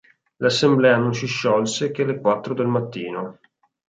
L'assemblea non si sciolse che alle quattro del mattino.